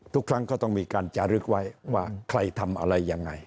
ทุกครั้งก็ต้องมีการจารึกไว้ว่าใครทำอะไรยังไง